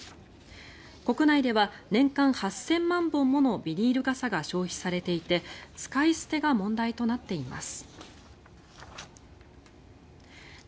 国内では年間８０００万本ものビニール傘が消費されていて使い捨てが問題となっています。